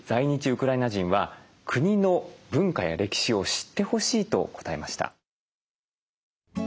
ウクライナ人は国の文化や歴史を知ってほしいと答えました。